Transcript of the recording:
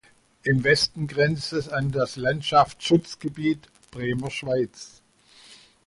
Im Westen grenzt es an das Landschaftsschutzgebiet „Bremer Schweiz“.